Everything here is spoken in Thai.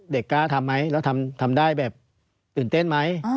กล้าทำไหมแล้วทำได้แบบตื่นเต้นไหม